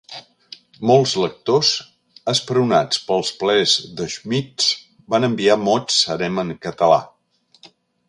Molts lectors, esperonats pels plaers d'Schmitz, van enviar mots harem en català.